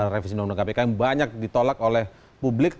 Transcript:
revisi undang undang kpk yang banyak ditolak oleh publik